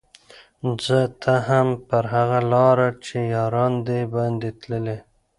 ځه ته هم پر هغه لاره چي یاران دي باندي تللي